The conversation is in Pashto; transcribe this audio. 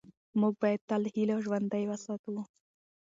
موږ باید تل هیله ژوندۍ وساتو